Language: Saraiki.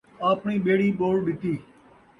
آپݨی ٻیڑی ٻوڑ ݙتی